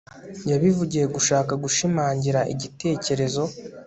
yabivugiye gushaka gushimangira igitekerezo